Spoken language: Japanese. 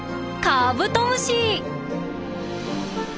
カブトムシ！